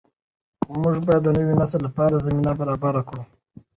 موږ باید د نوي نسل لپاره زمینه برابره کړو.